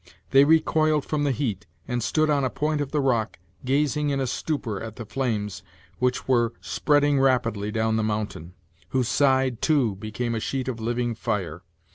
They recoiled from the heat, and stood on a point of the rock, gazing in a stupor at the flames which were spreading rap idly down the mountain, whose side, too, became a sheet of living fire.